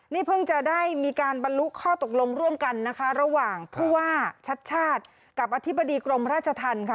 นี่เพิ่งจะได้มีการบรรลุข้อตกลงร่วมกันนะคะระหว่างผู้ว่าชัดชาติกับอธิบดีกรมราชธรรมค่ะ